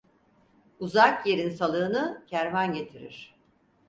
Uzak yerin salığını kervan getirir.